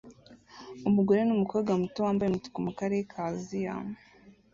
umugore numukobwa muto wambaye umutuku mukarere ka Aziya